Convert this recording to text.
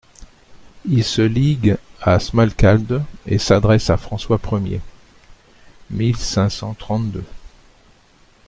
Ils se liguent à Smalkalde et s'adressent à François Ier (mille cinq cent trente-deux).